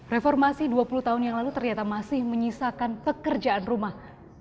reformasi dua puluh tahun yang lalu ternyata masih menyisakan pekerjaan rumah